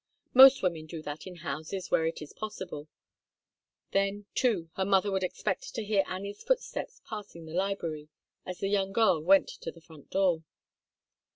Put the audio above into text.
Most women do that in houses where it is possible. Then, too, her mother would expect to hear Annie's footsteps passing the library, as the girl went to the front door.